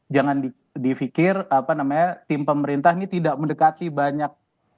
jangan di fikir apa namanya tim pemerintah ini tidak mendekati banyak